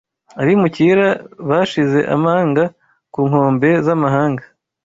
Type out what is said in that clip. Abimukira bashize amanga ku nkombe zamahanga